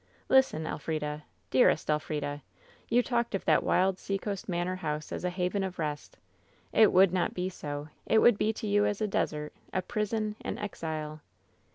Listen, Elfrida — dearest Elfrida ! You talked of that wild sea coast manor house as a haven of rest. It would not be so. It would be to you as a desert, a prison, an exile.